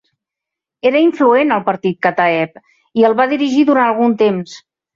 Era influent al Partit Kataeb i el va dirigir durant algun temps.